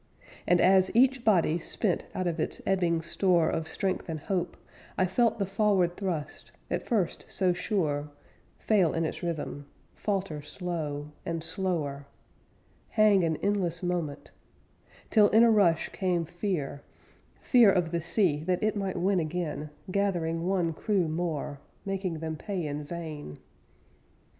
And as each body spent out of its ebbing store Of strength and hope, I felt the forward thrust, At first so sure, Fail in its rhythm, Falter slow, And slower Hang an endless moment Till in a rush came fear Fear of the sea, that it might win again, Gathering one crew more, Making them pay in vain.